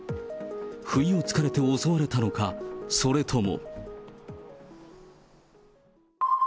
不意をつかれて襲われたのか、それとも。